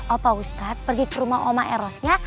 opa ustad pergi ke rumah woma erosnya